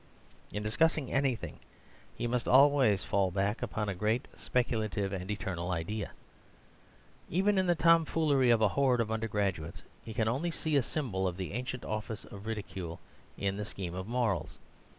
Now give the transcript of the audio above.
In discussing anything, he must always fall back upon great speculative and eternal ideas. Even in the tomfoolery of a horde of undergraduates he can only see a symbol of the ancient office of ridicule in the scheme of morals.